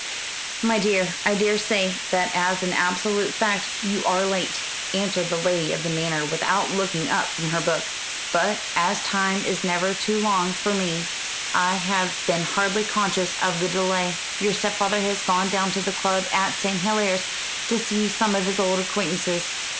"My dear, I daresay that as an absolute fact you are late," answered the lady of the manor, without looking up from her book, "but as time is never too long for me, I have been hardly conscious of the delay. Your stepfather has gone down to the club at St. Helier's to see some of his old acquaintances.